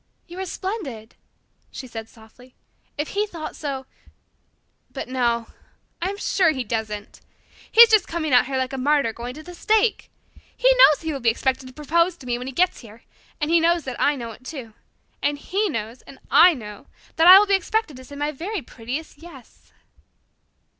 "You are splendid," she said softly. "If he thought so but no I am sure he doesn't. He's just coming out here like a martyr going to the stake. He knows he will be expected to propose to me when he gets here. And he knows that I know it too. And he knows and I know that I will be expected to say my very prettiest 'yes.'"